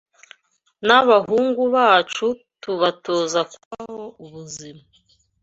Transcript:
n’abahungu bacu tubatoza kubaho ubuzima